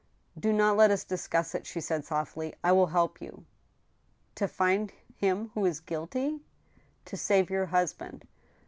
" Po not let us discuss it," she said, softly ;I will help you —"" To find him who is guilty? "" To save your husband."